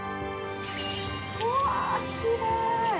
うわー、きれい！